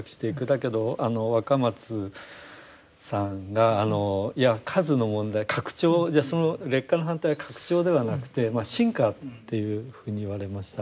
だけどあの若松さんがいや数の問題拡張その劣化の反対は拡張ではなくてまあ深化というふうに言われました。